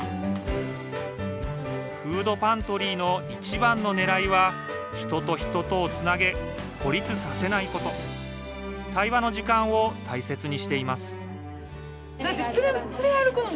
フードパントリーの一番の狙いは人と人とをつなげ孤立させないこと対話の時間を大切にしています